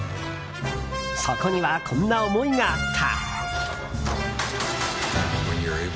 そこには、こんな思いがあった。